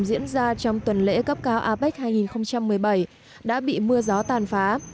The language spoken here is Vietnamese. diễn ra trong tuần lễ cấp cao apec hai nghìn một mươi bảy đã bị mưa gió tàn phá